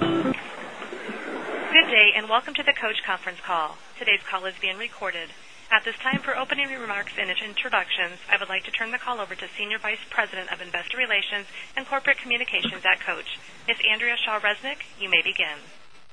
Good day and welcome to the Coach Conference Call. Today's call is being recorded. At this time, for opening remarks and introductions, I would like to turn the call over to Senior Vice President of Investor Relations and Corporate Communications at Coach. Ms. Andrea Shaw Resnick, you may begin.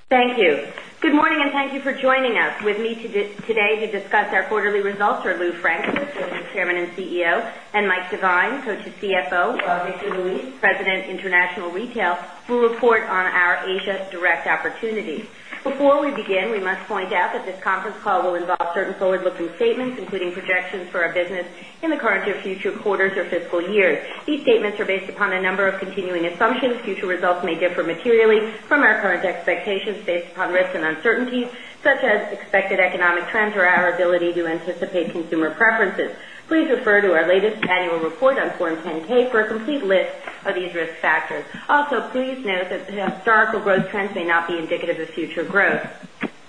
Thank you. Good morning and thank you for joining us. With me today to discuss our quarterly results are Lew Frankfort, Chairman and CEO, Mike Devine, CFO, and Victor Luis, President of International Retail, who will report on our Asia direct opportunity. Before we begin, we must point out that this conference call will involve certain forward-looking statements, including projections for our business in the current or future quarters or fiscal years. These statements are based upon a number of continuing assumptions. Future results may differ materially from our current expectations based upon risks and uncertainties, such as expected economic trends or our ability to anticipate consumer preferences. Please refer to our latest annual report on Form 10-K for a complete list of these risk factors. Also, please note that historical growth trends may not be indicative of future growth.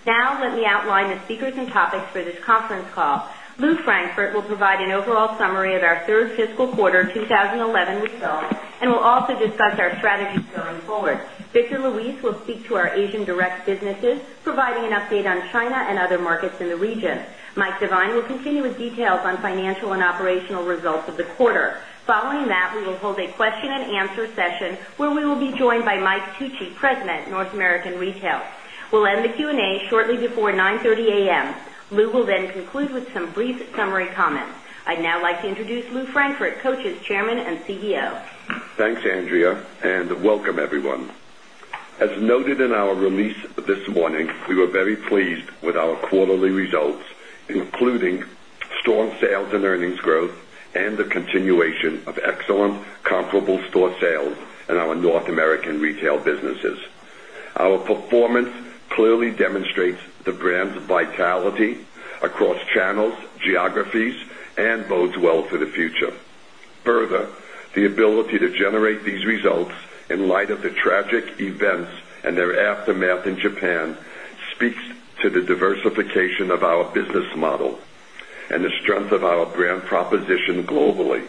Now, let me outline the speakers and topics for this conference call. Lew Frankfort will provide an overall summary of our third fiscal quarter 2011 results and will also discuss our strategy going forward. Victor Luis will speak to our Asia direct businesses, providing an update on China and other markets in the region. Mike Devine will continue with details on financial and operational results of the quarter. Following that, we will hold a question and answer session where we will be joined by Mike Tucci, President of North American Retail. We'll end the Q&A shortly before 9:30 A.M. Lew will then conclude with some brief summary comments. I'd now like to introduce Lew Frankfort, Coach's Chairman and CEO. Thanks, Andrea, and welcome, everyone. As noted in our release this morning, we were very pleased with our quarterly results, including store sales and earnings growth and the continuation of excellent comparable store sales in our North American retail businesses. Our performance clearly demonstrates the brand's vitality across channels, geographies, and bodes well for the future. Further, the ability to generate these results in light of the tragic events and their aftermath in Japan speaks to the diversification of our business model and the strength of our brand proposition globally.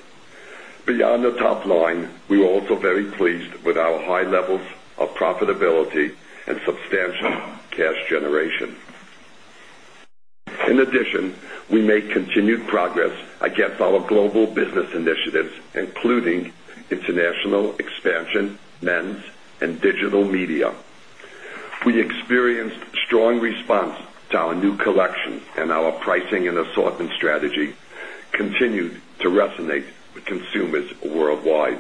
Beyond the top line, we were also very pleased with our high levels of profitability and substantial cash generation. In addition, we make continued progress against our global business initiatives, including international expansion, men's, and digital media. We experienced a strong response to our new collections, and our pricing and assortment strategy continues to resonate with consumers worldwide.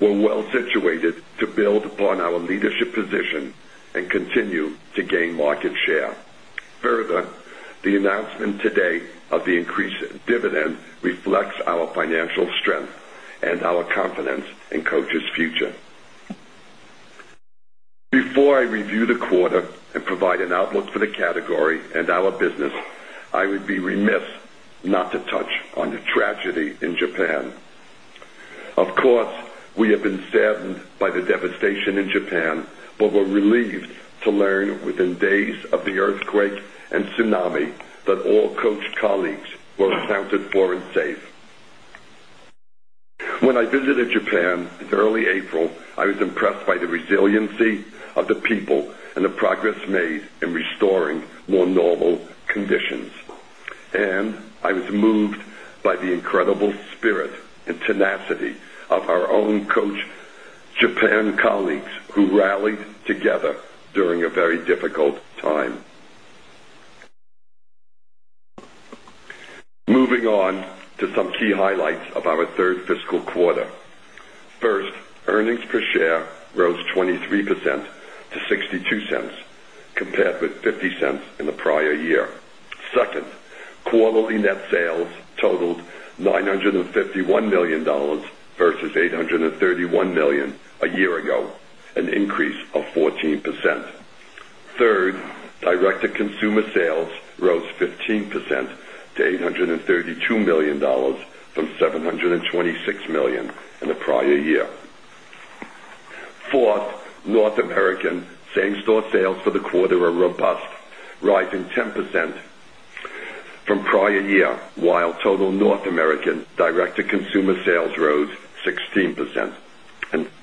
We're well situated to build upon our leadership position and continue to gain market share. Further, the announcement today of the increased dividend reflects our financial strength and our confidence in Coach's future. Before I review the quarter and provide an outlook for the category and our business, I would be remiss not to touch on the tragedy in Japan. Of course, we have been saddened by the devastation in Japan, but we're relieved to learn within days of the earthquake and tsunami that all Coach colleagues were accounted for and safe. When I visited Japan in early April, I was impressed by the resiliency of the people and the progress made in restoring more normal conditions. I was moved by the incredible spirit and tenacity of our own Coach Japan colleagues who rallied together during a very difficult time. Moving on to some key highlights of our third fiscal quarter. First, earnings per share rose 23% to $0.62, compared with $0.50 in the prior year. Second, quarterly net sales totaled $951 million versus $831 million a year ago, an increase of 14%. Third, direct-to-consumer sales rose 15% to $832 million from $726 million in the prior year. Fourth, North American same-store sales for the quarter were robust, rising 10% from prior year, while total North American direct-to-consumer sales rose 16%.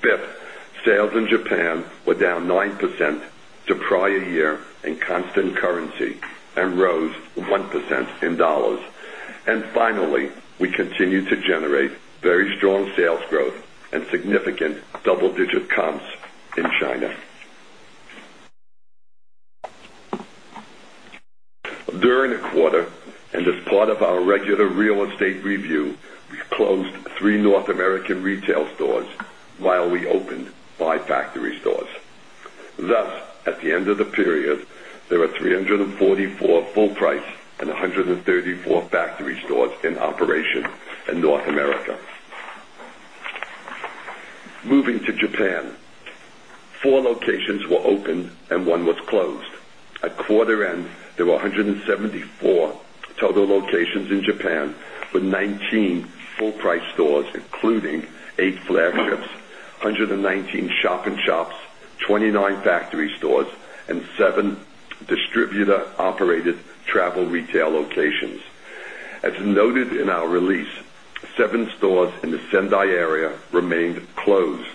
Fifth, sales in Japan were down 9% to prior year in constant currency and rose 1% in dollars. Finally, we continue to generate very strong sales growth and significant double-digit comps in China. During the quarter and the start of our regular real estate review, we closed three North American retail stores while we opened five factory stores. At the end of the period, there were 344 full price and 134 factory stores in operation in North America. Moving to Japan, four locations were opened and one was closed. At quarter end, there were 174 total locations in Japan with 19 full price stores, including eight flagships, 119 shop-in-shops, 29 factory stores, and seven distributor-operated travel retail locations. As noted in our release, seven stores in the Sendai area remained closed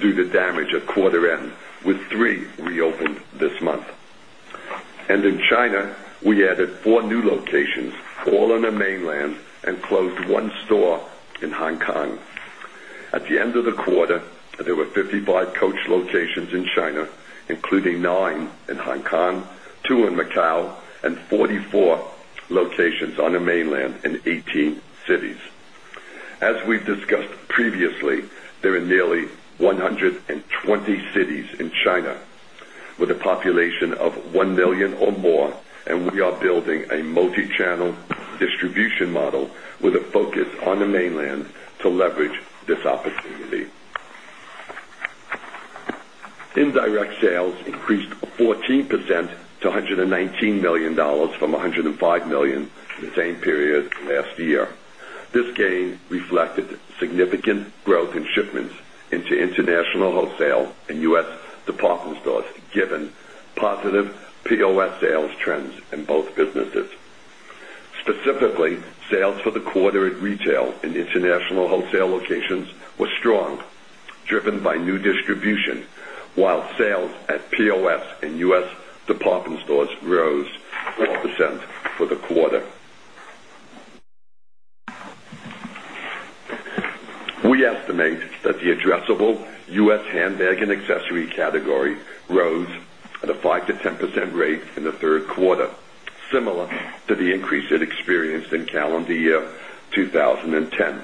due to damage at quarter end, with three reopened this month. In China, we added four new locations, all in the mainland, and closed one store in Hong Kong. At the end of the quarter, there were 55 Coach locations in China, including nine in Hong Kong, two in Macau, and 44 locations on the mainland in 18 cities. As we discussed previously, there are nearly 120 cities in China with a population of 1 million or more, and we are building a multi-channel distribution model with a focus on the mainland to leverage this opportunity. Indirect sales increased 14% to $119 million from $105 million in the same period from last year. This gain reflected significant growth in shipments into international wholesale and U.S. department stores, given positive POS sales trends in both businesses. Specifically, sales for the quarter in retail and international wholesale locations were strong, driven by new distribution, while sales at POS and U.S. department stores rose 12% for the quarter. We estimate that the addressable U.S. handbag and accessory category rose at a 5%-10% rate in the third quarter, similar to the increase it experienced in calendar year 2010.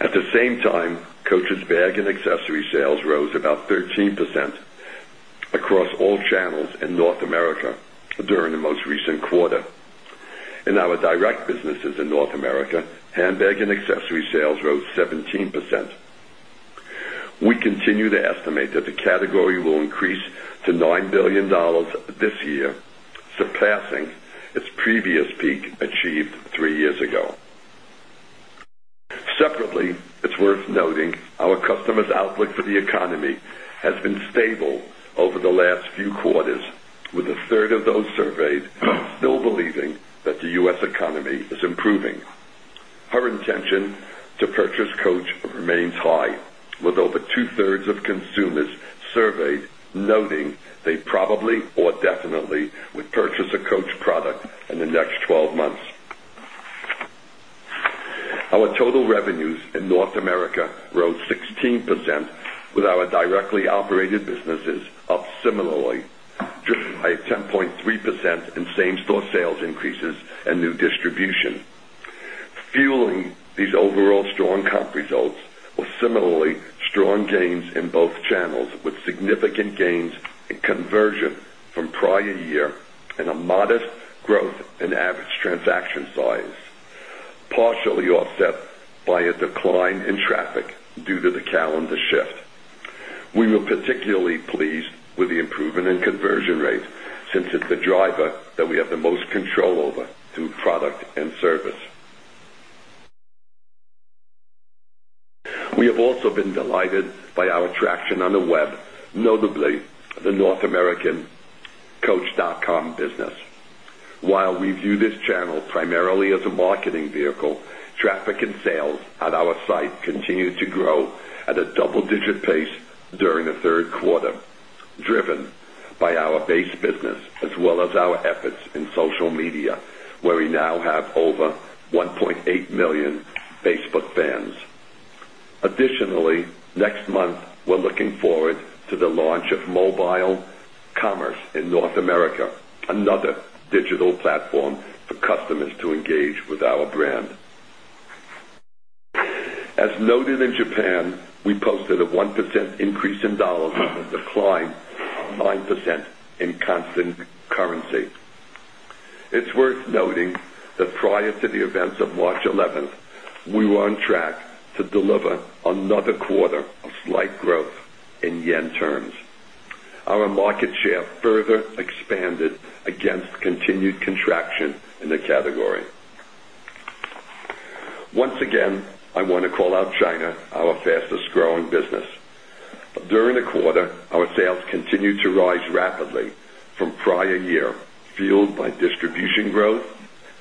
At the same time, Coach's bag and accessory sales rose about 13% across all channels in North America during the most recent quarter. In our direct businesses in North America, handbag and accessory sales rose 17%. We continue to estimate that the category will increase to $9 billion this year, surpassing its previous peak achieved three years ago. Separately, it's worth noting our customers' outlook for the economy has been stable over the last few quarters, with a third of those surveyed still believing that the U.S. economy is improving. Her intention to purchase Coach remains high, with over two-thirds of consumers surveyed noting they probably or definitely would purchase a Coach product in the next 12 months. Our total revenues in North America rose 16%, with our directly operated businesses up similarly, driven by 10.3% in same-store sales increases and new distribution. Fueling these overall strong comp results were similarly strong gains in both channels, with significant gains in conversion from prior year and a modest growth in average transaction size, partially offset by a decline in traffic due to the calendar shift. We were particularly pleased with the improvement in conversion rate since it's the driver that we have the most control over through product and service. We have also been delighted by our traction on the web, notably the North American Coach.com business. While we view this channel primarily as a marketing vehicle, traffic and sales at our site continue to grow at a double-digit pace during the third quarter, driven by our base business as well as our efforts in social media, where we now have over 1.8 million Facebook fans. Additionally, next month, we're looking forward to the launch of mobile commerce in North America, another digital platform for customers to engage with our brand. As noted in Japan, we posted a 1% increase in dollars and a decline of 9% in constant currency. It's worth noting that prior to the events of March 11, we were on track to deliver another quarter of light growth in yen terms. Our market share further expanded against continued contraction in the category. Once again, I want to call out China, our fastest growing business. During the quarter, our sales continued to rise rapidly from prior year, fueled by distribution growth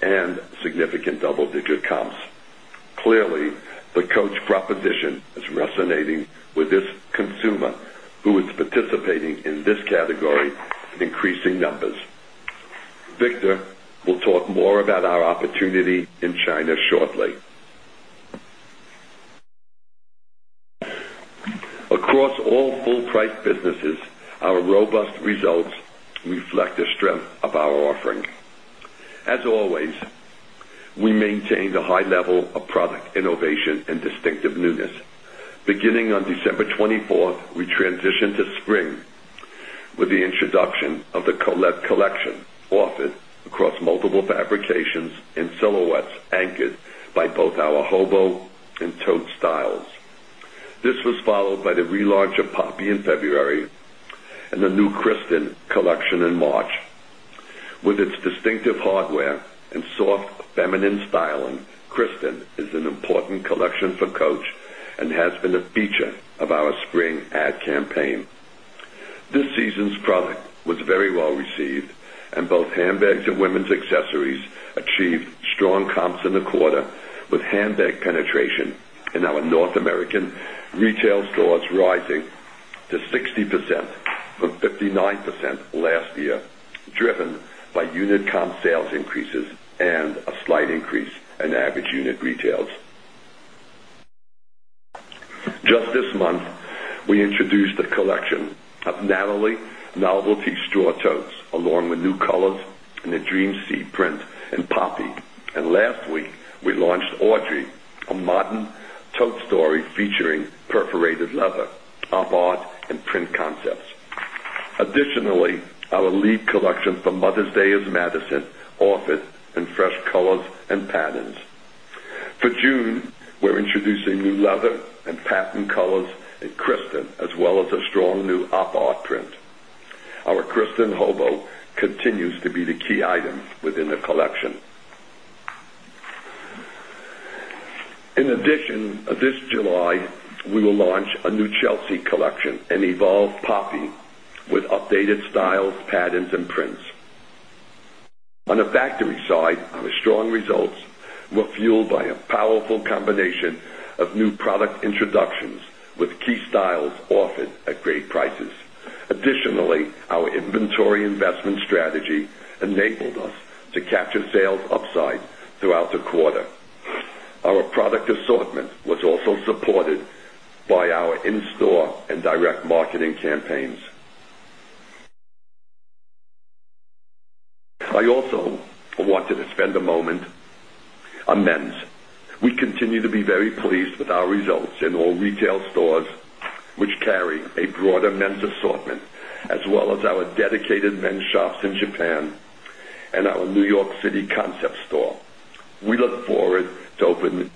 and significant double-digit comps. Clearly, the Coach proposition is resonating with this consumer who is participating in this category in increasing numbers. Victor will talk more about our opportunity in China shortly. Across all full-priced businesses, our robust results reflect the strength of our offering. As always, we maintained a high level of product innovation and distinctive newness. Beginning on December 24, we transitioned to spring with the introduction of the Colette collection, offered across multiple fabrications and silhouettes anchored by both our Hobo and Tote styles. This was followed by the relaunch of Poppy in February and the new Kristin collection in March. With its distinctive hardware and soft feminine styling, Kristin is an important collection for Coach and has been a feature of our spring ad campaign. This season's product was very well received, and both handbags and women's accessories achieved strong comps in the quarter, with handbag penetration in our North American retail stores rising to 60% from 59% last year, driven by unit comp sales increases and a slight increase in average unit retails. Just this month, we introduced the collection of Natalie novelty store totes, along with new colors in the Dream C print and Poppy. Last week, we launched Audrey, a modern tote story featuring perforated leather, Op Art and print concepts. Additionally, our leave collection for Mother's Day of Madison offers fresh colors and patterns. For June, we're introducing new leather and pattern colors at Kristin, as well as a strong new Op Art print. Our Kristin Hobo continues to be the key item within the collection. In addition, this July, we will launch a new Chelsea collection and evolve Poppy with updated styles, patterns, and prints. On the factory side, the strong results were fueled by a powerful combination of new product introductions with key styles offered at great prices. Additionally, our inventory investment strategy enabled us to capture sales upside throughout the quarter. Our product assortment was also supported by our in-store and direct marketing campaigns. I also wanted to spend a moment on men's, which continues to be very pleased with our results in all retail stores, which carry a broader men's assortment, as well as our dedicated men's shops in Japan and our New York City concept store. We look forward to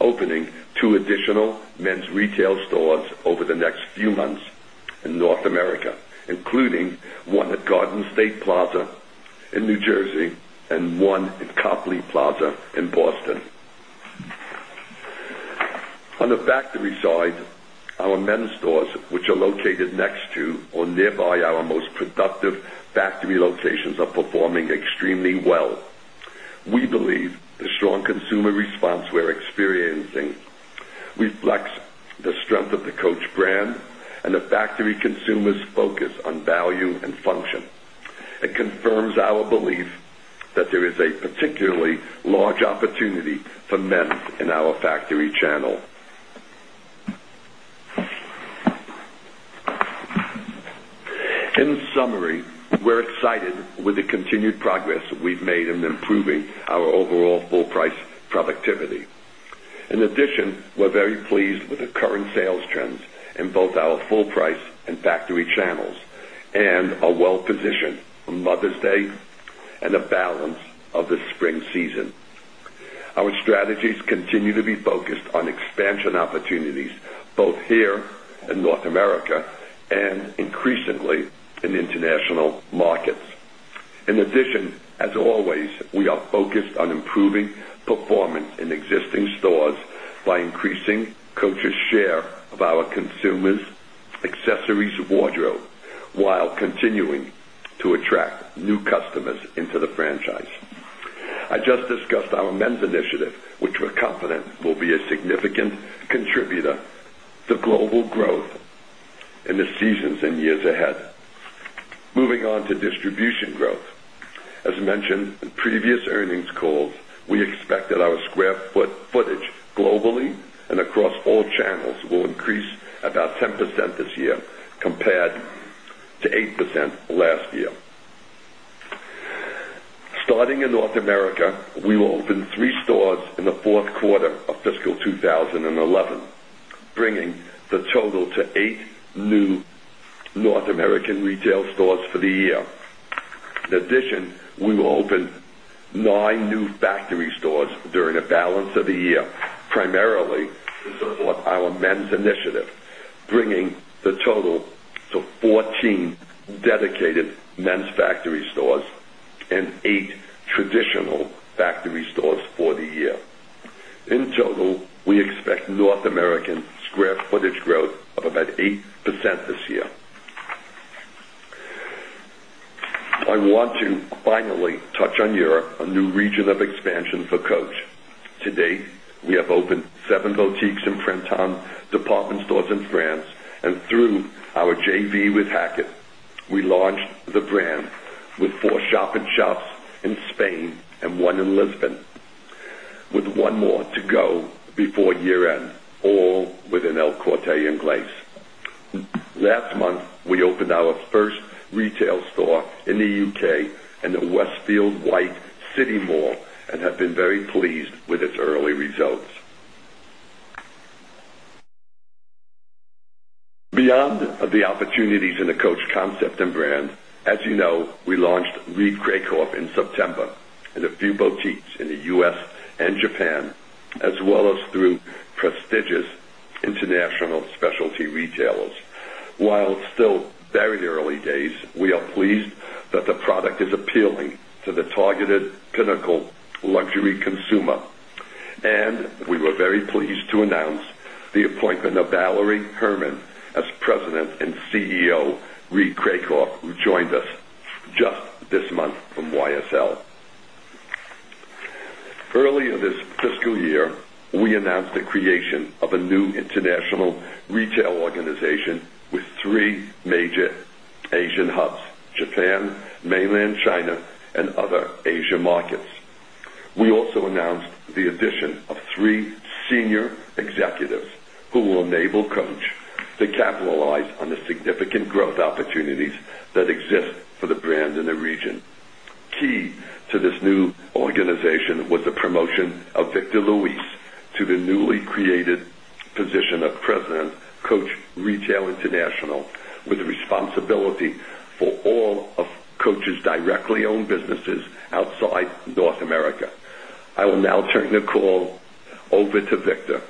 opening two additional men's retail stores over the next few months in North America, including one at Garden State Plaza in New Jersey and one at Copley Plaza in Boston. On the factory side, our men's stores, which are located next to or nearby our most productive factory locations, are performing extremely well. We believe the strong consumer response we're experiencing reflects the strength of the Coach brand and the factory consumer's focus on value and function. It confirms our belief that there is a particularly large opportunity for men's in our factory channel. In summary, we're excited with the continued progress we've made in improving our overall full-price productivity. In addition, we're very pleased with the current sales trends in both our full-price and factory channels and are well positioned for Mother's Day and a balance of the spring season. Our strategies continue to be focused on expansion opportunities both here in North America and increasingly in international markets. In addition, as always, we are focused on improving performance in existing stores by increasing Coach's share of our consumers' accessories wardrobe, while continuing to attract new customers into the franchise. I just discussed our men's initiative, which we're confident will be a significant contributor to global growth in the seasons and years ahead. Moving on to distribution growth. As mentioned in previous earnings calls, we expect that our square footage globally and across all channels will increase about 10% this year, compared to 8% last year. Starting in North America, we will open three stores in the fourth quarter of fiscal 2011, bringing the total to eight new North American retail stores for the year. In addition, we will open nine new factory stores during a balance of the year, primarily to support our men's initiative, bringing the total to 14 dedicated men's factory stores and eight traditional factory stores for the year. In total, we expect North American square footage growth of about 8% this year. I want to finally touch on a new region of expansion for Coach. To date, we have opened seven boutiques in Printemps department stores in France, and through our JV with Hackett, we launched the brand with four shop-in-shops in Spain and one in Lisbon, with one more to go before year-end, all within El Corte Inglés. Last month, we opened our first retail store in the UK in the Westfield White City Mall and have been very pleased with its early results. Beyond the opportunities in the Coach concept and brand, as you know, we launched Reed Krakoff in September and a few boutiques in the U.S. and Japan, as well as through prestigious international specialty retailers. While still very early days, we are pleased that the product is appealing to the targeted pinnacle luxury consumer. We were very pleased to announce the appointment of Valérie Hermann as President and CEO of Reed Krakoff, who joined us just this month from YSL. Earlier this fiscal year, we announced the creation of a new international retail organization with three major Asian hubs: Japan, mainland China, and other Asia markets. We also announced the addition of three senior executives who will enable Coach to capitalize on the significant growth opportunities that exist for the brand in the region. Key to this new organization was the promotion of Victor Luis to the newly created position of President of Coach Retail International, with the responsibility for all of Coach's directly owned businesses outside North America. I will now turn the call over to Victor.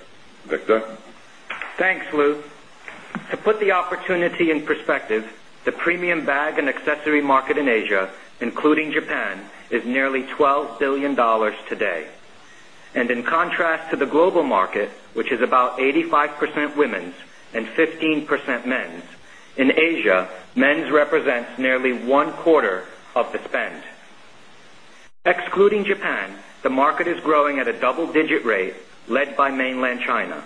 Victor? Thanks, Lew. To put the opportunity in perspective, the premium bag and accessory market in Asia, including Japan, is nearly $12 billion today. In contrast to the global market, which is about 85% women's and 15% men's, in Asia, men's represents nearly one quarter of the spend. Excluding Japan, the market is growing at a double-digit rate led by mainland China.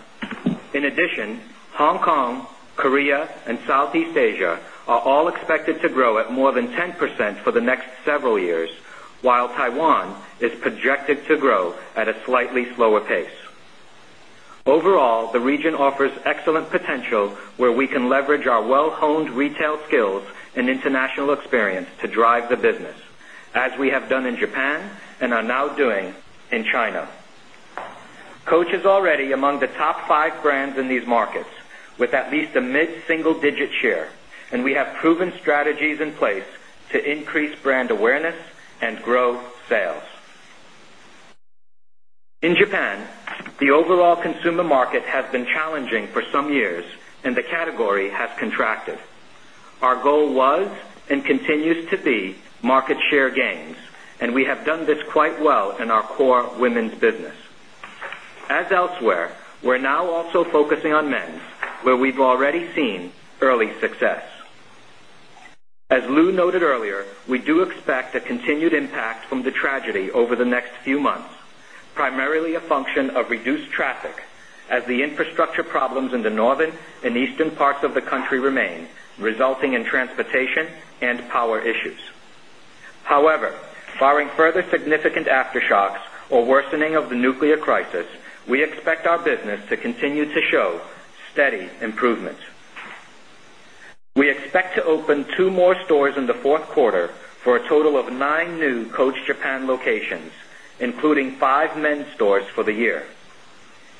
In addition, Hong Kong, Korea, and Southeast Asia are all expected to grow at more than 10% for the next several years, while Taiwan is projected to grow at a slightly slower pace. Overall, the region offers excellent potential where we can leverage our well-honed retail skills and international experience to drive the business, as we have done in Japan and are now doing in China. Coach is already among the top five brands in these markets with at least a mid-single-digit share, and we have proven strategies in place to increase brand awareness and grow sales. In Japan, the overall consumer market has been challenging for some years, and the category has contracted. Our goal was and continues to be market share gains, and we have done this quite well in our core women's business. As elsewhere, we're now also focusing on men's, where we've already seen early success. As Lew noted earlier, we do expect a continued impact from the tragedy over the next few months, primarily a function of reduced traffic as the infrastructure problems in the northern and eastern parts of the country remain, resulting in transportation and power issues. However, barring further significant aftershocks or worsening of the nuclear crisis, we expect our business to continue to show steady improvement. We expect to open two more stores in the fourth quarter for a total of nine new Coach Japan locations, including five men's stores for the year.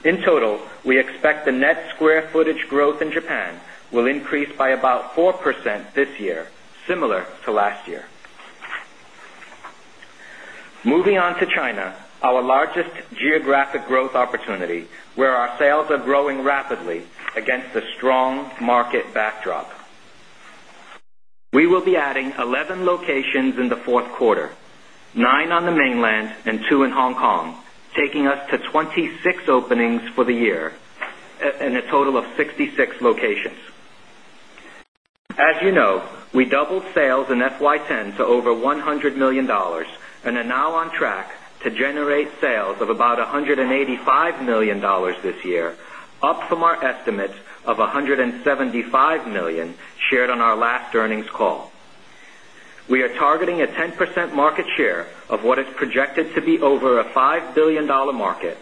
In total, we expect the net square footage growth in Japan will increase by about 4% this year, similar to last year. Moving on to China, our largest geographic growth opportunity, where our sales are growing rapidly against a strong market backdrop. We will be adding 11 locations in the fourth quarter, nine on the mainland and two in Hong Kong, taking us to 26 openings for the year and a total of 66 locations. As you know, we doubled sales in FY 2010 to over $100 million and are now on track to generate sales of about $185 million this year, up from our estimates of $175 million shared on our last earnings call. We are targeting a 10% market share of what is projected to be over a $5 billion market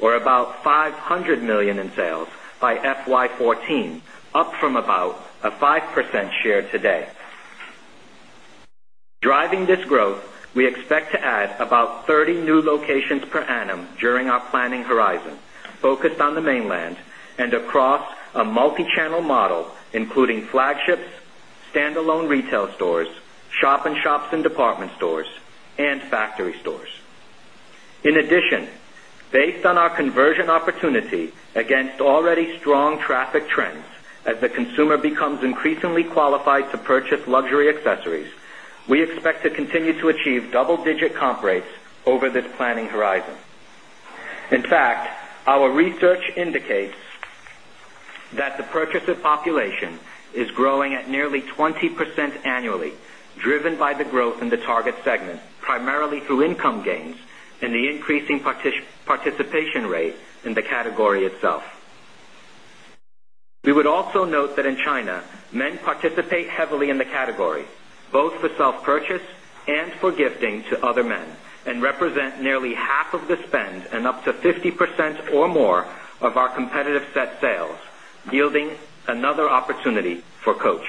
or about $500 million in sales by FY 2014, up from about a 5% share today. Driving this growth, we expect to add about 30 new locations per annum during our planning horizon, focused on the mainland and across a multi-channel model, including flagships, standalone retail stores, shop-in-shops and department stores, and factory stores. In addition, based on our conversion opportunity against already strong traffic trends, as the consumer becomes increasingly qualified to purchase luxury accessories, we expect to continue to achieve double-digit comp rates over this planning horizon. In fact, our research indicates that the purchaser population is growing at nearly 20% annually, driven by the growth in the target segments, primarily through income gains and the increasing participation rate in the category itself. We would also note that in China, men participate heavily in the category, both for self-purchase and for gifting to other men, and represent nearly half of the spend and up to 50% or more of our competitive set sales, yielding another opportunity for Coach.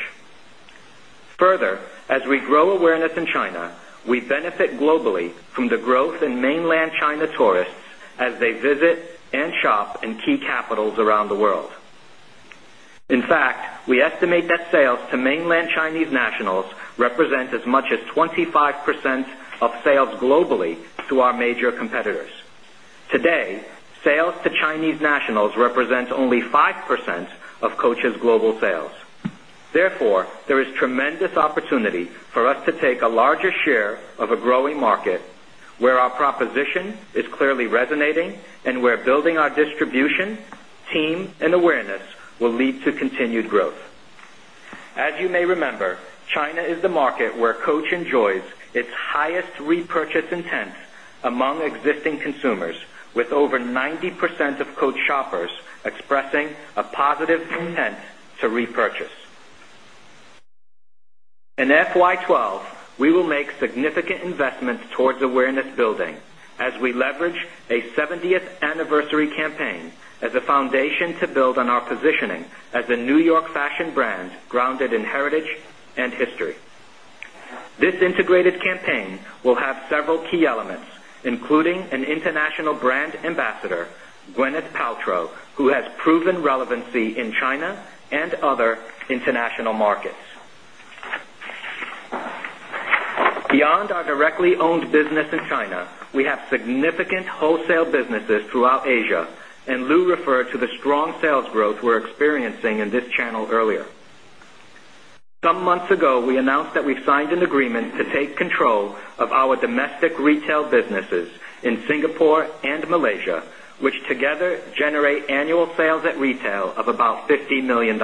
Further, as we grow awareness in China, we benefit globally from the growth in mainland China tourists as they visit and shop in key capitals around the world. In fact, we estimate that sales to mainland Chinese nationals represent as much as 25% of sales globally to our major competitors. Today, sales to Chinese nationals represent only 5% of Coach's global sales. Therefore, there is tremendous opportunity for us to take a larger share of a growing market where our proposition is clearly resonating and where building our distribution team and awareness will lead to continued growth. As you may remember, China is the market where Coach enjoys its highest repurchase intent among existing consumers, with over 90% of Coach shoppers expressing a positive intent to repurchase. In FY 2012, we will make significant investments towards awareness building as we leverage a 70th anniversary campaign as a foundation to build on our positioning as a New York fashion brand grounded in heritage and history. This integrated campaign will have several key elements, including an international brand ambassador, Gwyneth Paltrow, who has proven relevancy in China and other international markets. Beyond our directly owned business in China, we have significant wholesale businesses throughout Asia, and Lew referred to the strong sales growth we're experiencing in this channel earlier. Some months ago, we announced that we've signed an agreement to take control of our domestic retail businesses in Singapore and Malaysia, which together generate annual sales at retail of about $50 million.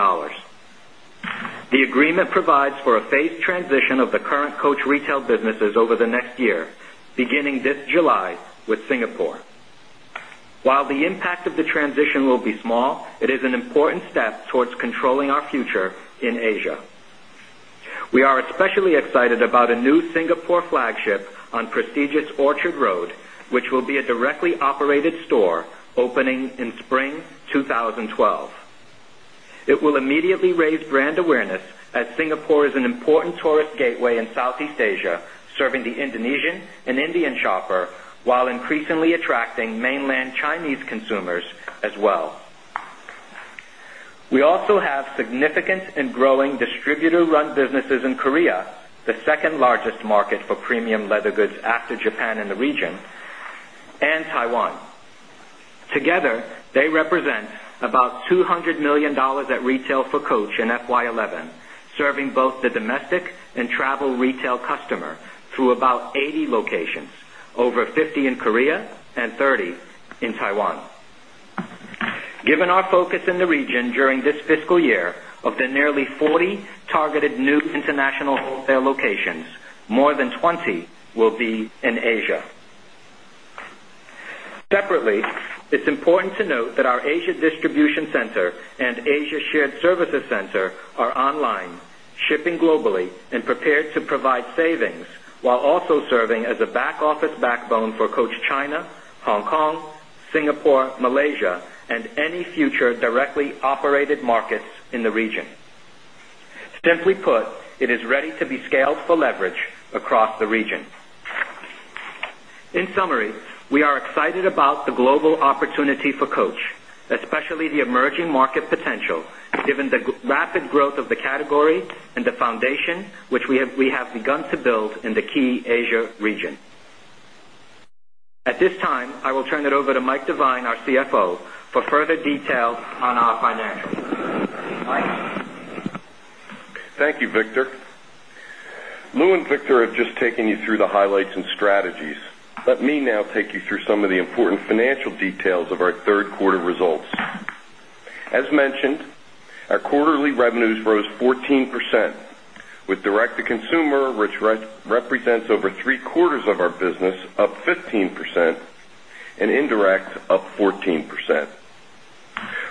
The agreement provides for a phased transition of the current Coach retail businesses over the next year, beginning this July with Singapore. While the impact of the transition will be small, it is an important step towards controlling our future in Asia. We are especially excited about a new Singapore flagship on prestigious Orchard Road, which will be a directly operated store opening in spring 2012. It will immediately raise brand awareness as Singapore is an important tourist gateway in Southeast Asia, serving the Indonesian and Indian shopper while increasingly attracting mainland Chinese consumers as well. We also have significant and growing distributor-run businesses in Korea, the second largest market for premium leather goods after Japan in the region, and Taiwan. Together, they represent about $200 million at retail for Coach in FY 2011, serving both the domestic and travel retail customer through about 80 locations, over 50 in Korea and 30 in Taiwan. Given our focus in the region during this fiscal year, of the nearly 40 targeted new international wholesale locations, more than 20 will be in Asia. Separately, it's important to note that our Asia distribution center and Asia shared services center are online, shipping globally, and prepared to provide savings while also serving as a back office backbone for Coach China, Hong Kong, Singapore, Malaysia, and any future directly operated markets in the region. Simply put, it is ready to be scaled for leverage across the region. In summary, we are excited about the global opportunity for Coach, especially the emerging market potential given the rapid growth of the category and the foundation which we have begun to build in the key Asia region. At this time, I will turn it over to Mike Devine, our CFO, for further details on our financials. Thank you, Victor. Lew and Victor have just taken you through the highlights and strategies. Let me now take you through some of the important financial details of our third quarter results. As mentioned, our quarterly revenues rose 14%, with direct-to-consumer, which represents over three quarters of our business, up 15%, and indirect up 14%.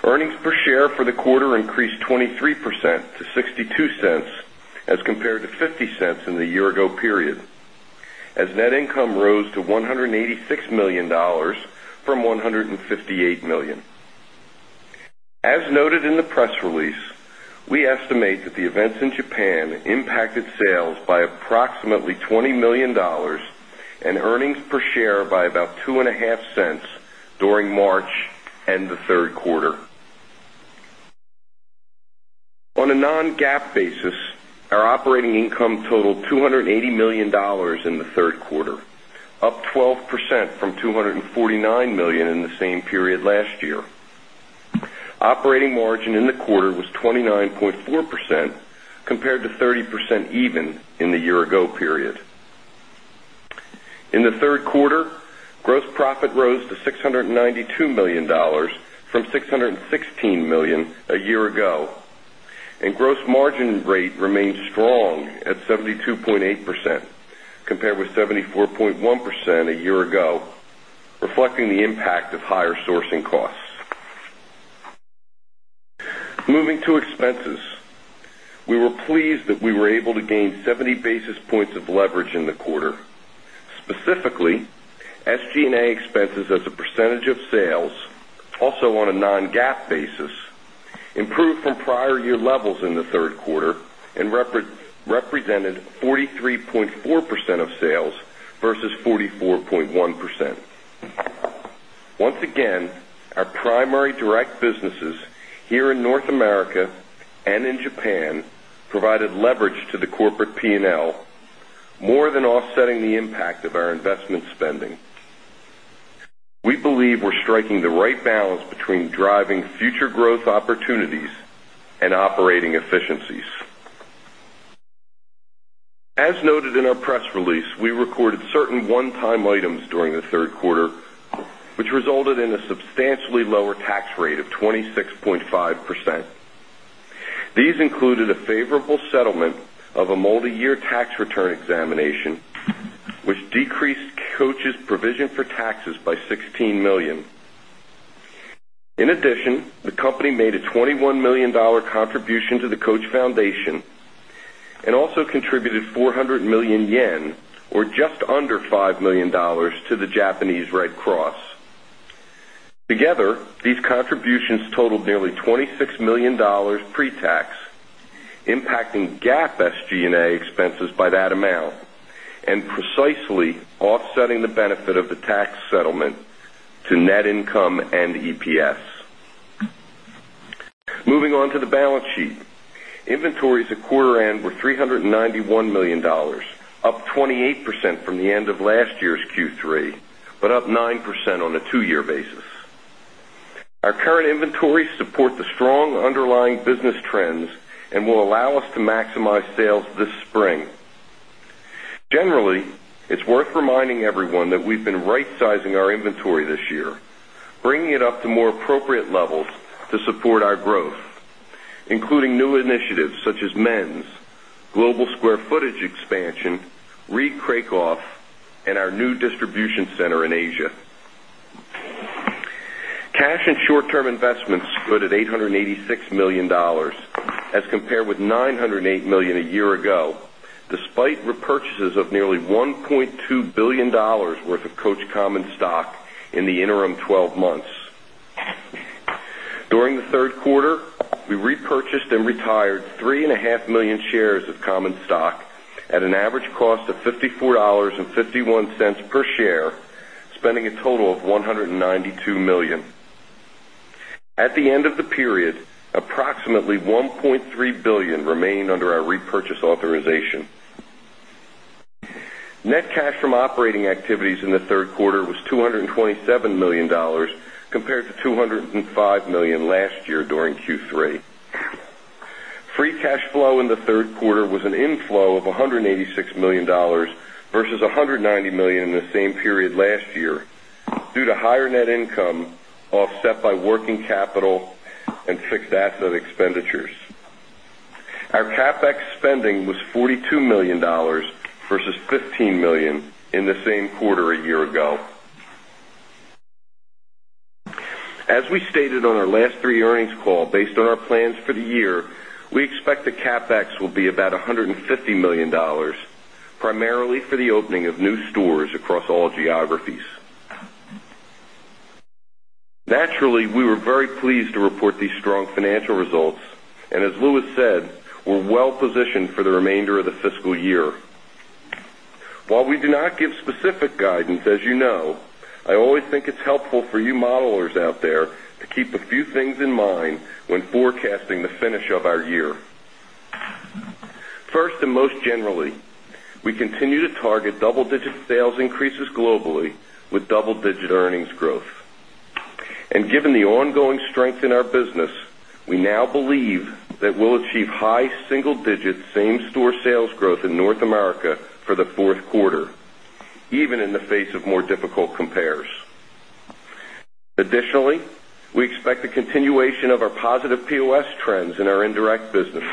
Earnings per share for the quarter increased 23% to $0.62 as compared to $0.50 in the year-ago period, as net income rose to $186 million from $158 million. As noted in the press release, we estimate that the events in Japan impacted sales by approximately $20 million and earnings per share by about $0.025 during March and the third quarter. On a non-GAAP basis, our operating income totaled $280 million in the third quarter, up 12% from $249 million in the same period last year. Operating margin in the quarter was 29.4% compared to 30% even in the year-ago period. In the third quarter, gross profit rose to $692 million from $616 million a year ago, and gross margin rate remained strong at 72.8% compared with 74.1% a year ago, reflecting the impact of higher sourcing costs. Moving to expenses, we were pleased that we were able to gain 70 basis points of leverage in the quarter. Specifically, SG&A expenses as a percentage of sales, also on a non-GAAP basis, improved from prior year levels in the third quarter and represented 43.4% of sales versus 44.1%. Once again, our primary direct businesses here in North America and in Japan provided leverage to the corporate P&L, more than offsetting the impact of our investment spending. We believe we're striking the right balance between driving future growth opportunities and operating efficiencies. As noted in our press release, we recorded certain one-time items during the third quarter, which resulted in a substantially lower tax rate of 26.5%. These included a favorable settlement of a multi-year tax return examination, which decreased Coach's provision for taxes by $16 million. In addition, the company made a $21 million contribution to the Coach Foundation and also contributed 400 million yen, or just under $5 million, to the Japanese Red Cross. Together, these contributions totaled nearly $26 million pre-tax, impacting GAAP SG&A expenses by that amount and precisely offsetting the benefit of the tax settlement to net income and EPS. Moving on to the balance sheet, inventories at quarter end were $391 million, up 28% from the end of last year's Q3, but up 9% on a two-year basis. Our current inventories support the strong underlying business trends and will allow us to maximize sales this spring. Generally, it's worth reminding everyone that we've been right-sizing our inventory this year, bringing it up to more appropriate levels to support our growth, including new initiatives such as men's, global square footage expansion, Reed Krakoff, and our new distribution center in Asia. Cash and short-term investments stood at $886 million, as compared with $908 million a year ago, despite repurchases of nearly $1.2 billion worth of Coach common stock in the interim 12 months. During the third quarter, we repurchased and retired three and a half million shares of common stock at an average cost of $54.51 per share, spending a total of $192 million. At the end of the period, approximately $1.3 billion remained under our repurchase authorization. Net cash from operating activities in the third quarter was $227 million, compared to $205 million last year during Q3. Free cash flow in the third quarter was an inflow of $186 million versus $190 million in the same period last year due to higher net income offset by working capital and fixed asset expenditures. Our CapEx spending was $42 million versus $15 million in the same quarter a year ago. As we stated on our last three earnings calls, based on our plans for the year, we expect that CapEx will be about $150 million, primarily for the opening of new stores across all geographies. Naturally, we were very pleased to report these strong financial results, and as Lew has said, we're well positioned for the remainder of the fiscal year. While we do not give specific guidance, as you know, I always think it's helpful for you modelers out there to keep a few things in mind when forecasting the finish of our year. First and most generally, we continue to target double-digit sales increases globally with double-digit earnings growth. Given the ongoing strength in our business, we now believe that we'll achieve high single-digit same-store sales growth in North America for the fourth quarter, even in the face of more difficult compares. Additionally, we expect the continuation of our positive POS trends in our indirect business.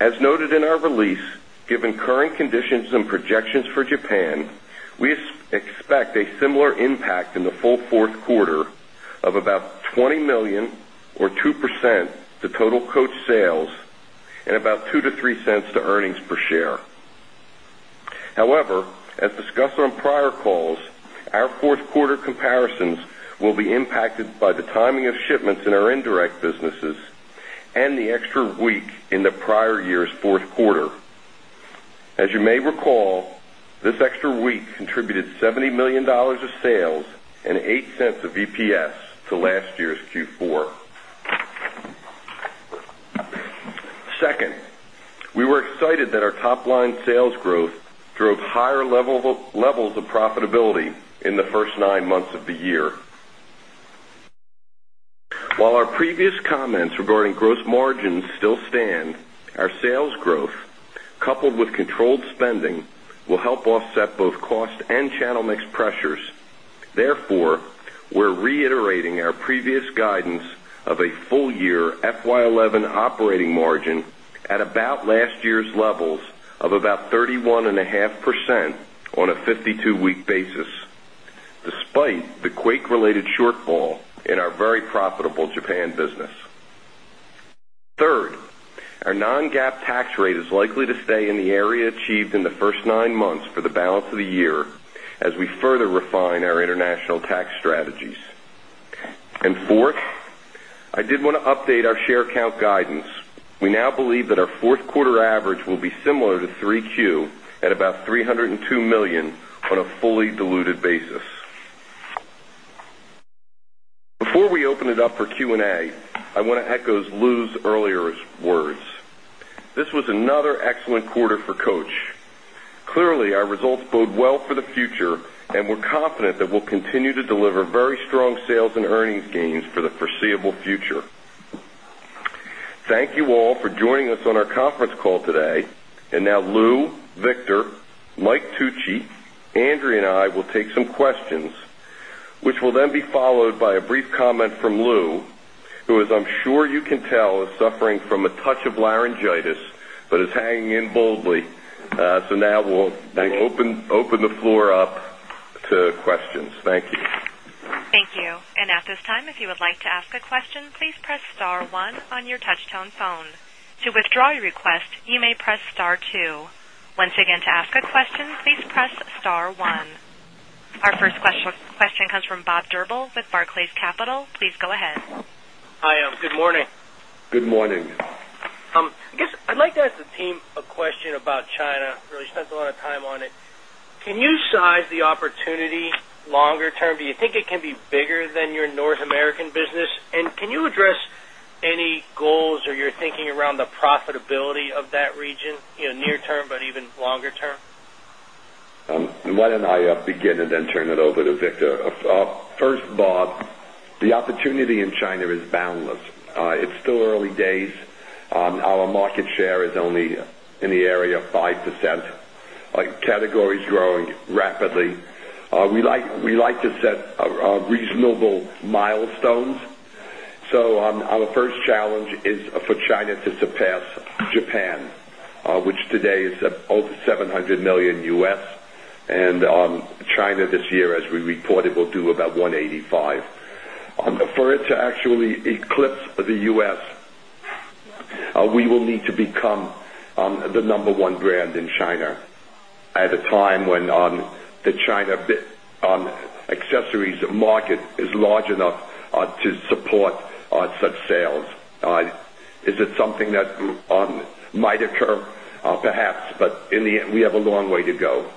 As noted in our release, given current conditions and projections for Japan, we expect a similar impact in the full fourth quarter of about $20 million or 2% to total Coach sales and about $0.02-$0.03 to earnings per share. However, as discussed on prior calls, our fourth quarter comparisons will be impacted by the timing of shipments in our indirect businesses and the extra week in the prior year's fourth quarter. As you may recall, this extra week contributed $70 million of sales and $0.08 of EPS to last year's Q4. Second, we were excited that our top-line sales growth drove higher levels of profitability in the first nine months of the year. While our previous comments regarding gross margins still stand, our sales growth, coupled with controlled spending, will help offset both cost and channel mix pressures. Therefore, we're reiterating our previous guidance of a full-year FY 2011 operating margin at about last year's levels of about 31.5% on a 52-week basis, despite the quake-related shortfall in our very profitable Japan business. Third, our non-GAAP tax rate is likely to stay in the area achieved in the first nine months for the balance of the year as we further refine our international tax strategies. Fourth, I did want to update our share count guidance. We now believe that our fourth quarter average will be similar to Q3 at about $302 million on a fully diluted basis. Before we open it up for Q&A, I want to echo Lew's earlier words. This was another excellent quarter for Coach. Clearly, our results bode well for the future, and we're confident that we'll continue to deliver very strong sales and earnings gains for the foreseeable future. Thank you all for joining us on our conference call today. Now Lew, Victor, Mike Tucci, Andrea, and I will take some questions, which will then be followed by a brief comment from Lew, who is, I'm sure you can tell, suffering from a touch of laryngitis but is hanging in boldly. Now we'll open the floor up to questions. Thank you. Thank you. At this time, if you would like to ask a question, please press star one on your touch-tone phone. To withdraw your request, you may press star two. Once again, to ask a question, please press star one. Our first question comes from Bob Durbell with Barclays Capital. Please go ahead. Hi, good morning. Good morning. I'd like to ask the team a question about China. I really spent a lot of time on it. Can you size the opportunity longer-term? Do you think it can be bigger than your North American business? Can you address any goals or your thinking around the profitability of that region, you know, near-term but even longer-term? Why don't I begin and then turn it over to Victor? First, Bob, the opportunity in China is boundless. It's still early days. Our market share is only in the area of 5%. Our category is growing rapidly. We like to set reasonable milestones. Our first challenge is for China to surpass Japan, which today is over $700 million U.S., and China this year, as we reported, will do about $185 million. For it to actually eclipse the U.S., we will need to become the number one brand in China at a time when the China accessories market is large enough to support such sales. Is it something that might occur? Perhaps, but in the end, we have a long way to go.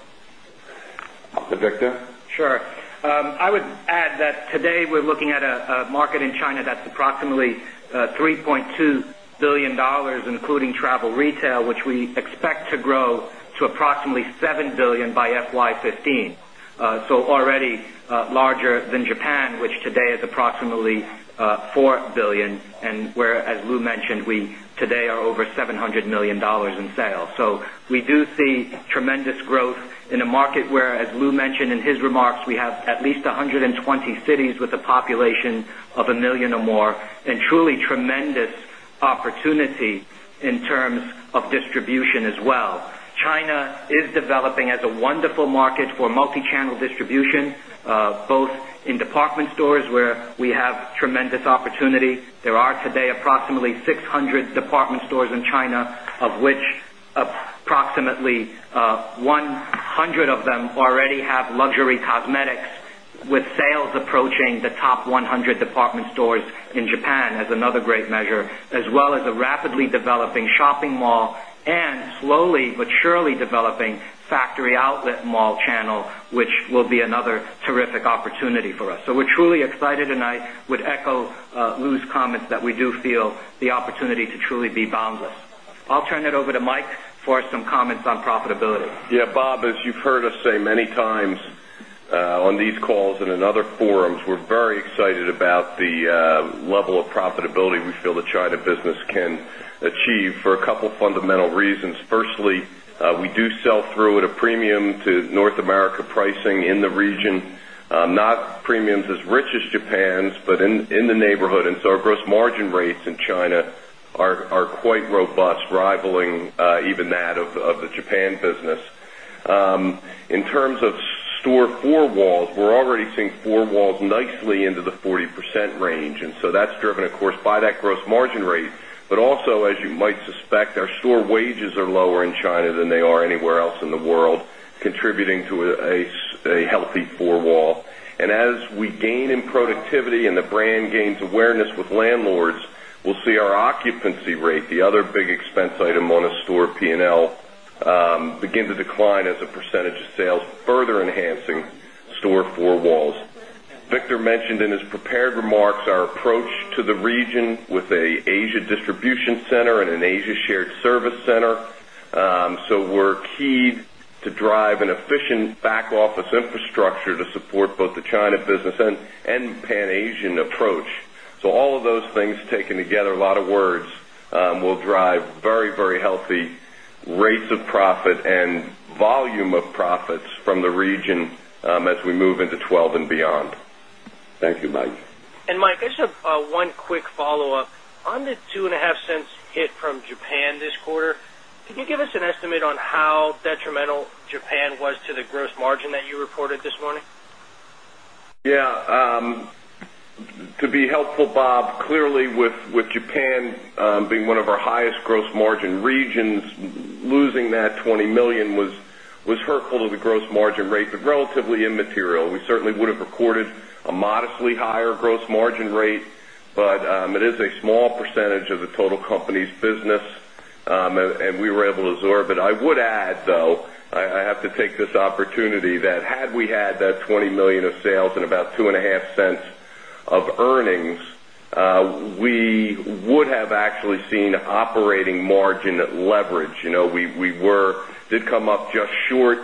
Victor? Sure. I would add that today we're looking at a market in China that's approximately $3.2 billion, including travel retail, which we expect to grow to approximately $7 billion by FY 2015, already larger than Japan, which today is approximately $4 billion. As Lew mentioned, we today are over $700 million in sales. We do see tremendous growth in a market where, as Lew mentioned in his remarks, we have at least 120 cities with a population of a million or more and truly tremendous opportunity in terms of distribution as well. China is developing as a wonderful market for multi-channel distribution, both in department stores where we have tremendous opportunity. There are today approximately 600 department stores in China, of which approximately 100 of them already have luxury cosmetics, with sales approaching the top 100 department stores in Japan as another great measure, as well as a rapidly developing shopping mall and slowly but surely developing factory outlet mall channel, which will be another terrific opportunity for us. We are truly excited, and I would echo Lew's comments that we do feel the opportunity to truly be boundless. I'll turn it over to Mike for some comments on profitability. Yeah, Bob, as you've heard us say many times on these calls and in other forums, we're very excited about the level of profitability we feel the China business can achieve for a couple of fundamental reasons. Firstly, we do sell through at a premium to North America pricing in the region, not premiums as rich as Japan's, but in the neighborhood. Our gross margin rates in China are quite robust, rivaling even that of the Japan business. In terms of store four walls, we're already seeing four walls nicely into the 40% range. That's driven, of course, by that gross margin rate. Also, as you might suspect, our store wages are lower in China than they are anywhere else in the world, contributing to a healthy four wall. As we gain in productivity and the brand gains awareness with landlords, we'll see our occupancy rate, the other big expense item on a store P&L, begin to decline as a percentage of sales, further enhancing store four walls. Victor mentioned in his prepared remarks our approach to the region with an Asia distribution center and an Asia shared service center. We're keyed to drive an efficient back office infrastructure to support both the China business and the Pan-Asian approach. All of those things taken together, a lot of words, will drive very, very healthy rates of profit and volume of profits from the region as we move into 2012 and beyond. Thank you, Mike. Mike, I just have one quick follow-up. On the $0.025 hit from Japan this quarter, can you give us an estimate on how detrimental Japan was to the gross margin that you reported this morning? Yeah. To be helpful, Bob, clearly with Japan being one of our highest gross margin regions, losing that $20 million was hurtful to the gross margin rate, but relatively immaterial. We certainly would have recorded a modestly higher gross margin rate, but it is a small percentage of the total company's business, and we were able to absorb it. I would add, though, I have to take this opportunity that had we had that $20 million of sales and about $0.025 of earnings, we would have actually seen operating margin leverage. You know, we did come up just short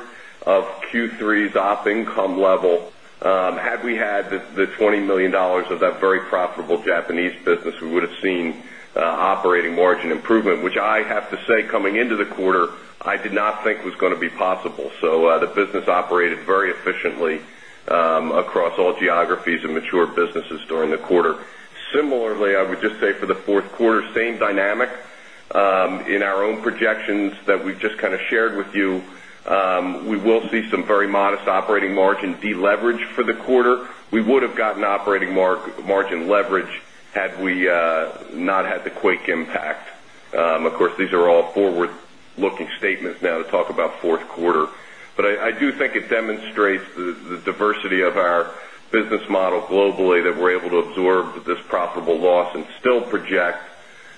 of Q3's op income level. Had we had the $20 million of that very profitable Japanese business, we would have seen operating margin improvement, which I have to say, coming into the quarter, I did not think was going to be possible. The business operated very efficiently across all geographies and matured businesses during the quarter. Similarly, I would just say for the fourth quarter, same dynamic in our own projections that we've just kind of shared with you. We will see some very modest operating margin deleverage for the quarter. We would have gotten operating margin leverage had we not had the quick impact. Of course, these are all forward-looking statements now to talk about fourth quarter. I do think it demonstrates the diversity of our business model globally that we're able to absorb this profitable loss and still project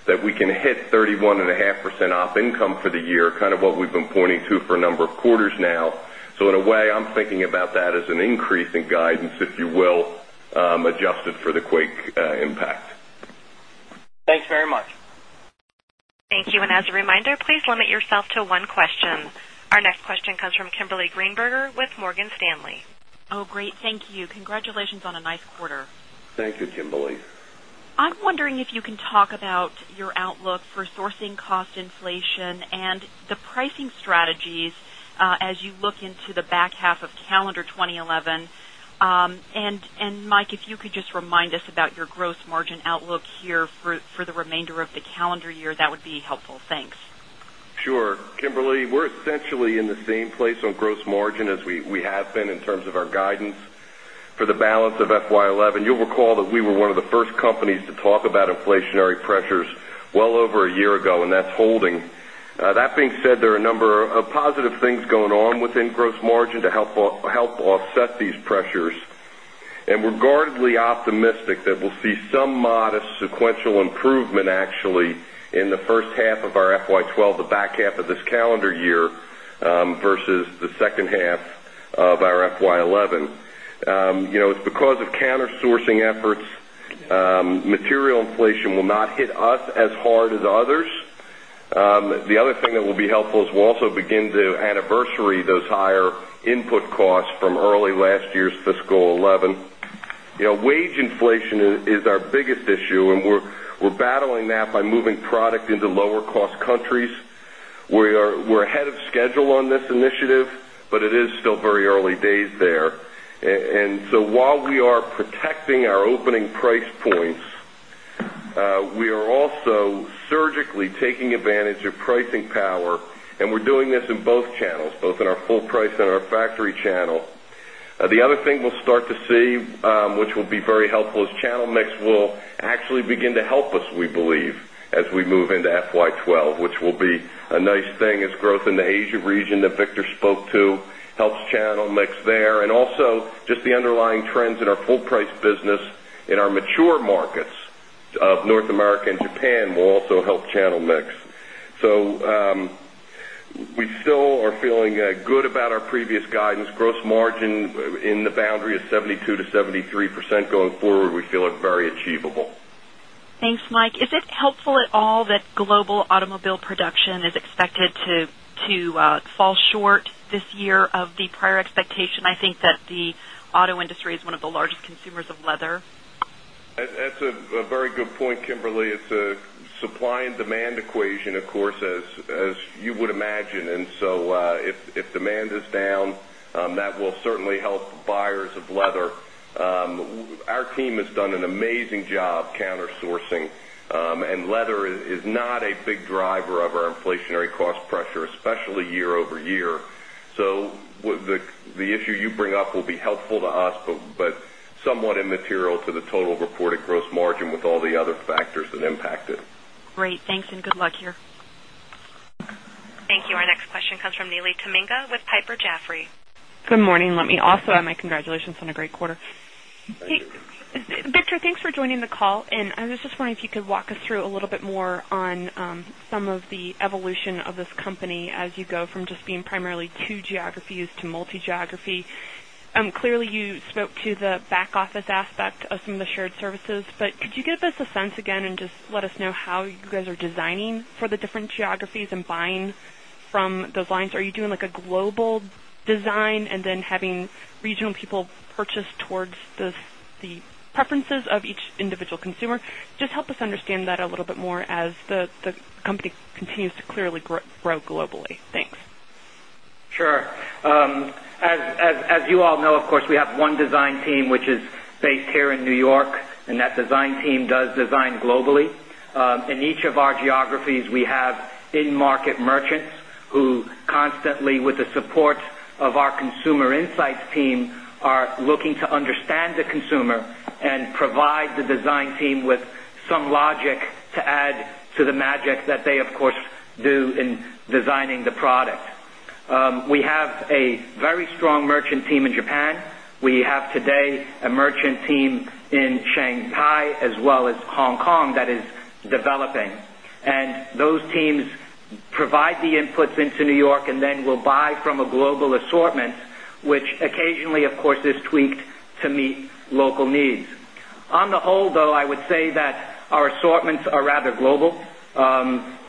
that we can hit 31.5% op income for the year, kind of what we've been pointing to for a number of quarters now. In a way, I'm thinking about that as an increase in guidance, if you will, adjusted for the quick impact. Thanks very much. Thank you. As a reminder, please limit yourself to one question. Our next question comes from Kimberly Greenberger with Morgan Stanley. Oh, great. Thank you. Congratulations on a nice quarter. Thank you, Kimberly. I'm wondering if you can talk about your outlook for sourcing cost inflation and the pricing strategies as you look into the back half of calendar 2011. Mike, if you could just remind us about your gross margin outlook here for the remainder of the calendar year, that would be helpful. Thanks. Sure. Kimberly, we're essentially in the same place on gross margin as we have been in terms of our guidance for the balance of FY 2011. You'll recall that we were one of the first companies to talk about inflationary pressures well over a year ago, and that's holding. That being said, there are a number of positive things going on within gross margin to help offset these pressures. We're guardedly optimistic that we'll see some modest sequential improvement, actually, in the first half of our FY 2012, the back half of this calendar year, versus the second half of our FY 2011. It's because of countersourcing efforts. Material inflation will not hit us as hard as others. The other thing that will be helpful is we'll also begin to anniversary those higher input costs from early last year's fiscal 2011. Wage inflation is our biggest issue, and we're battling that by moving product into lower cost countries. We're ahead of schedule on this initiative, but it is still very early days there. While we are protecting our opening price points, we are also surgically taking advantage of pricing power, and we're doing this in both channels, both in our full price and our factory channel. The other thing we'll start to see, which will be very helpful, is channel mix will actually begin to help us, we believe, as we move into FY 2012, which will be a nice thing as growth in the Asia region that Victor spoke to helps channel mix there. Also, just the underlying trends in our full price business in our mature markets of North America and Japan will also help channel mix. We still are feeling good about our previous guidance. Gross margin in the boundary of 72%-73% going forward, we feel are very achievable. Thanks, Mike. Is it helpful at all that global automobile production is expected to fall short this year of the prior expectation? I think that the auto industry is one of the largest consumers of leather. That's a very good point, Kimberly. It is a supply and demand equation, of course, as you would imagine. If demand is down, that will certainly help buyers of leather. Our team has done an amazing job countersourcing, and leather is not a big driver of our inflationary cost pressure, especially year-over-year. The issue you bring up will be helpful to us, but somewhat immaterial to the total reported gross margin with all the other factors that impact it. Great. Thanks and good luck here. Thank you. Our next question comes from Neely Tamminga with Piper Jaffray. Good morning. Let me also add my congratulations on a great quarter. Victor, thanks for joining the call. I was just wondering if you could walk us through a little bit more on some of the evolution of this company as you go from just being primarily two geographies to multi-geography. Clearly, you spoke to the back office aspect of some of the shared services, but could you give us a sense again and just let us know how you guys are designing for the different geographies and buying from those lines? Are you doing like a global design and then having regional people purchase towards the preferences of each individual consumer? Just help us understand that a little bit more as the company continues to clearly grow globally. Thanks. Sure. As you all know, of course, we have one design team, which is based here in New York, and that design team does design globally. In each of our geographies, we have in-market merchants who constantly, with the support of our consumer insights team, are looking to understand the consumer and provide the design team with some logic to add to the magic that they, of course, do in designing the product. We have a very strong merchant team in Japan. We have today a merchant team in Shanghai, as well as Hong Kong that is developing. Those teams provide the inputs into New York and then will buy from a global assortment, which occasionally, of course, is tweaked to meet local needs. On the whole, though, I would say that our assortments are rather global.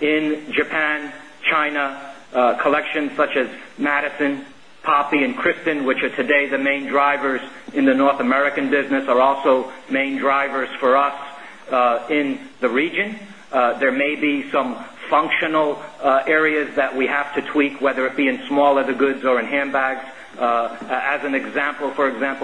In Japan, China, collections such as Madison, Poppy, and Kristin, which are today the main drivers in the North American business, are also main drivers for us in the region. There may be some functional areas that we have to tweak, whether it be in small leather goods or in handbags. As an example,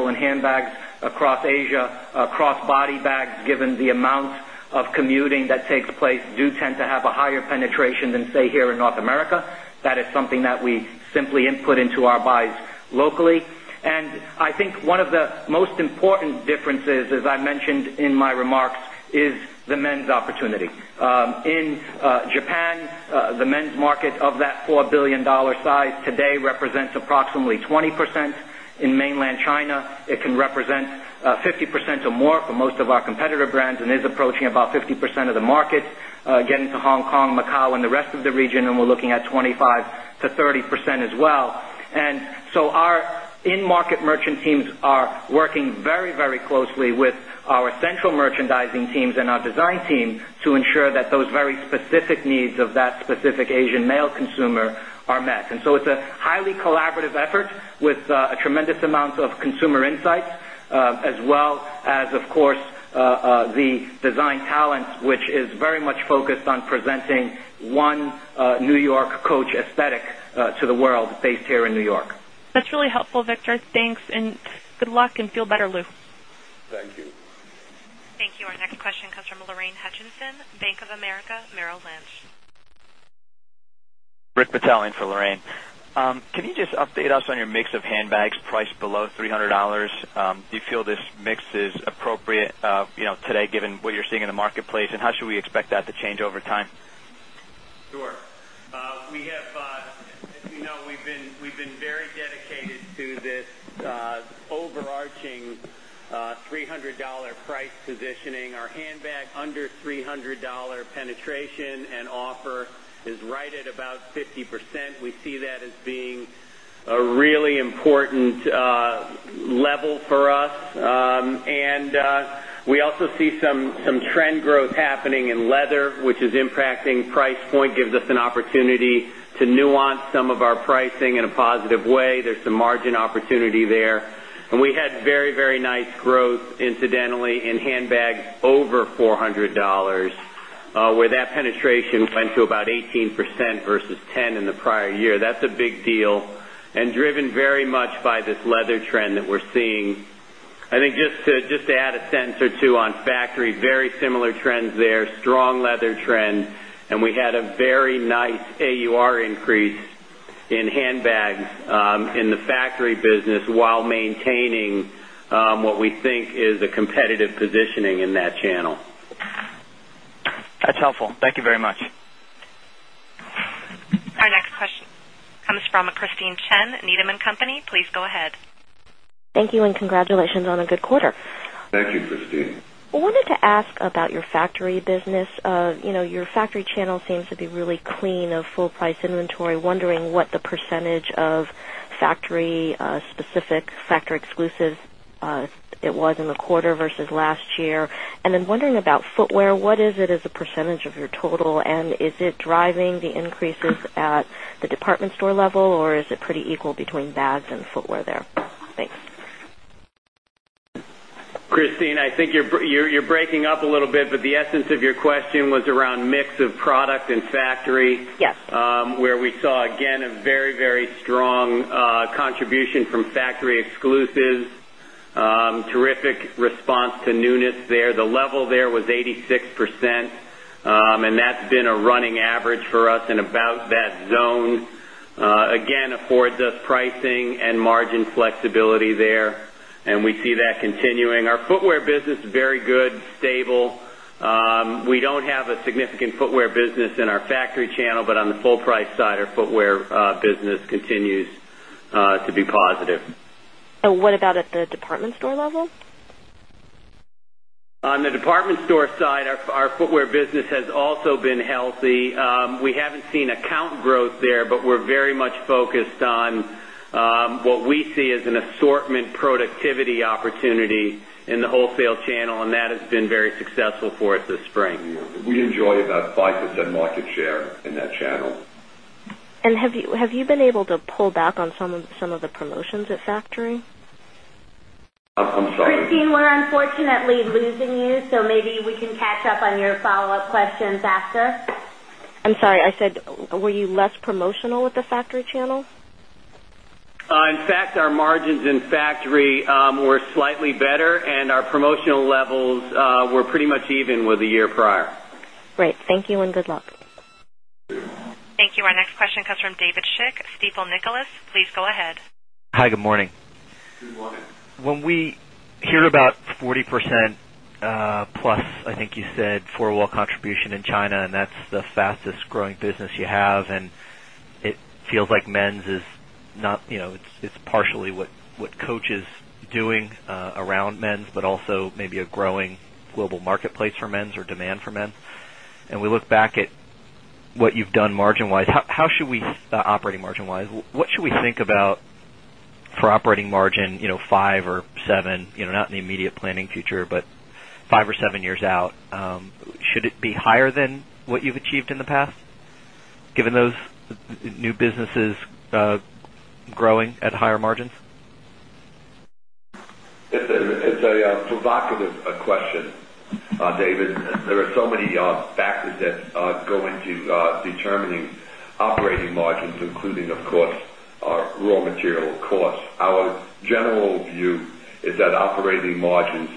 in handbags across Asia, cross-body bags, given the amounts of commuting that take place, do tend to have a higher penetration than, say, here in North America. That is something that we simply input into our buys locally. I think one of the most important differences, as I mentioned in my remarks, is the men's opportunity. In Japan, the men's market of that $4 billion size today represents approximately 20%. In mainland China, it can represent 50% or more for most of our competitor brands and is approaching about 50% of the markets. Getting to Hong Kong, Macau, and the rest of the region, we're looking at 25%-30% as well. Our in-market merchant teams are working very, very closely with our central merchandising teams and our design team to ensure that those very specific needs of that specific Asian male consumer are met. It is a highly collaborative effort with a tremendous amount of consumer insights, as well as, of course, the design talents, which is very much focused on presenting one New York Coach aesthetic to the world based here in New York. That's really helpful, Victor. Thanks and good luck, and feel better, Lew. Thank you. Thank you. Our next question comes from Lorraine Hutchinson, Bank of America Merrill Lynch. Rick Patel in for Lorraine. Can you just update us on your mix of handbags priced below $300? Do you feel this mix is appropriate today, given what you're seeing in the marketplace? How should we expect that to change over time? Sure. As you know, we've been very dedicated to this overarching $300 price positioning. Our handbag under $300 penetration and offer is right at about 50%. We see that as being a really important level for us. We also see some trend growth happening in leather, which is impacting price point, gives us an opportunity to nuance some of our pricing in a positive way. There's some margin opportunity there. We had very, very nice growth, incidentally, in handbags over $400, where that penetration went to about 18% versus 10% in the prior year. That's a big deal and driven very much by this leather trend that we're seeing. I think just to add a sense or two on factory, very similar trends there, strong leather trend. We had a very nice AUR increase in handbags in the factory business while maintaining what we think is a competitive positioning in that channel. That's helpful. Thank you very much. Our next question comes from Christine Chen, Needham & Company. Please go ahead. Thank you and congratulations on a good quarter. Thank you, Christine. I wanted to ask about your factory business. Your factory channel seems to be really clean of full-price inventory. Wondering what the percentage of factory-specific factory exclusives was in the quarter versus last year. Also, wondering about footwear. What is it as a percentage of your total? Is it driving the increases at the department store level, or is it pretty equal between bags and footwear there? Thanks. Christine, I think you're breaking up a little bit, but the essence of your question was around mix of product and factory, where we saw, again, a very, very strong contribution from factory exclusives. Terrific response to Nunitz there. The level there was 86%. That's been a running average for us in about that zone. It affords us pricing and margin flexibility there. We see that continuing. Our footwear business is very good, stable. We don't have a significant footwear business in our factory channel, but on the full price side, our footwear business continues to be positive. What about at the department store level? On the department store side, our footwear business has also been healthy. We haven't seen account growth there, but we're very much focused on what we see as an assortment productivity opportunity in the wholesale channel, and that has been very successful for us this spring. We enjoy about 5% market share in that channel. Have you been able to pull back on some of the promotions at factory? I'm sorry. Christine, we're unfortunately losing you, so maybe we can catch up on your follow-up questions after. I'm sorry. I said, were you less promotional with the factory channel? In fact, our margins in factory were slightly better, and our promotional levels were pretty much even with the year prior. Great. Thank you and good luck. Thank you. Our next question comes from David Schick, Stifel Nicolaus. Please go ahead. Hi, good morning. You're welcome. When we hear about 40% plus, I think you said, four-wall contribution in China, and that's the fastest growing business you have, it feels like men's is not, you know, it's partially what Coach is doing around men's, but also maybe a growing global marketplace for men's or demand for men's. We look back at what you've done margin-wise. How should we operate margin-wise? What should we think about for operating margin, you know, five or seven, you know, not in the immediate planning future, but five or seven years out? Should it be higher than what you've achieved in the past, given those new businesses growing at higher margins? It's a provocative question, David. There are so many factors that go into determining operating margins, including, of course, our raw material cost. Our general view is that operating margins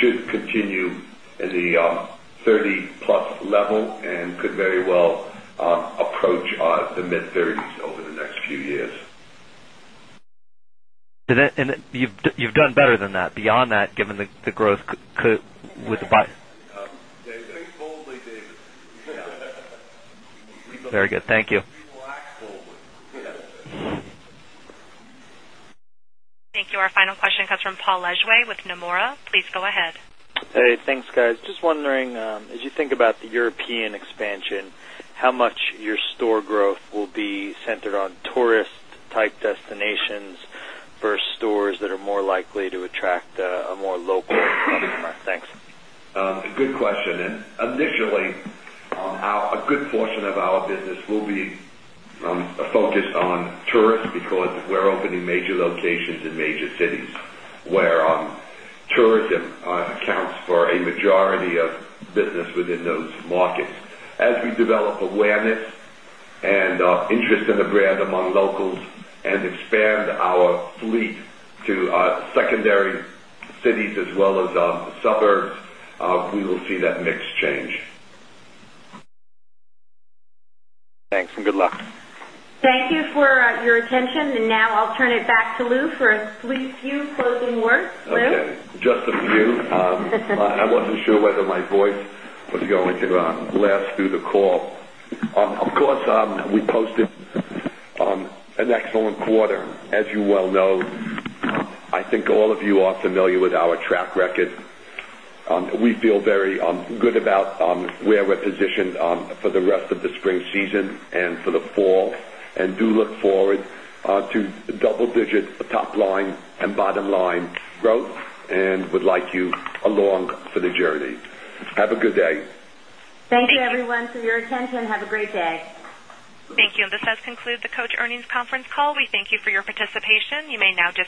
should continue in the 30+ level and could very well approach the mid-30s over the next few years. You've done better than that, beyond that, given the growth with the buy. Very boldly, David. Very good. Thank you. Thank you. Our final question comes from Paul Legrez with Nomura. Please go ahead. Hey, thanks, guys. Just wondering, as you think about the European expansion, how much your store growth will be centered on tourist-type destinations versus stores that are more likely to attract a more local public? Thanks. Good question. Initially, a good portion of our business will be focused on tourists because we're opening major locations in major cities where tourism accounts for a majority of business within those markets. As we develop awareness and interest in the brand among locals and expand our fleet to secondary cities as well as suburbs, we will see that mix change. Thanks and good luck. Thank you for your attention. I'll turn it back to Lew for a few closing words. Okay, just a few. I wasn't sure whether my voice was going to last through the call. Of course, we posted an excellent quarter. As you well know, I think all of you are familiar with our track record. We feel very good about where we're positioned for the rest of the spring season and for the fall and do look forward to double-digit top-line and bottom-line growth and would like you along for the journey. Have a good day. Thank you, everyone, for your attention. Have a great day. Thank you. This does conclude the Coach Earnings Conference Call. We thank you for your participation. You may now disconnect.